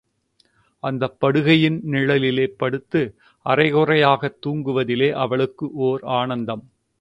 அந்தப் படுகையின் நிழலிலே படுத்து அறைகுறையாகத் தூங்குவதிலே அவளுக்கு ஓர் ஆனந்தம்.